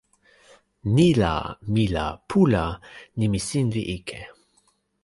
ni la, mi la, pu la, nimi sin li ike.